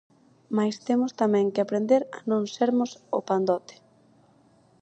Mais temos tamén que aprender a non sermos o pandote.